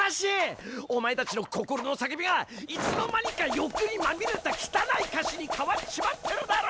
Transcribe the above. お前たちの心のさけびがいつの間にか欲にまみれたきたない歌詞にかわっちまってるだろ！